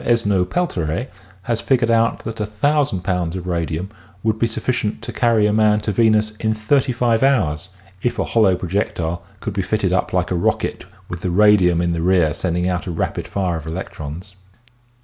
Esnault Pelterie has figured out that a thousand pounds of radium would be sufficient to cary a man to Venus in 35 hours if a hollow projectile could be fitted up like a rocket with the radium in the rear sending out a rapid fire of electrons.